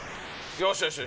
よし、よし。